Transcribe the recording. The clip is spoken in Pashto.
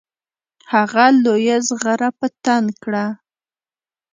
هغه لویه زغره په تن کړه.